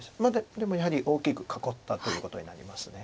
でもやはり大きく囲ったということになります。